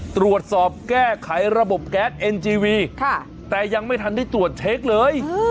ตรวจสอบแก้ไขระบบแก๊สเอ็นจีวีแต่ยังไม่ทันได้ตรวจเช็คเลย